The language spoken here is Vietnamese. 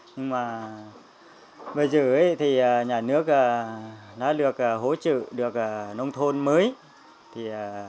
nhưng mà bây giờ thì nhà nước đã được hỗ trợ được nông thôn mới